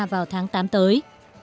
vào tháng tám tới